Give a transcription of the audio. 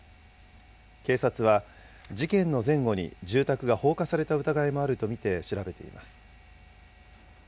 警察は、事件の前後に住宅が放火された疑いもあると見て、調べています。